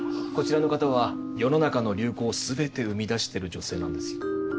こちらの方は世の中の流行をすべて生み出してる女性なんですよ。